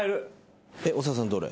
長田さんどれ？